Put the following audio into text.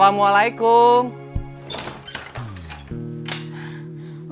yang benar sekung como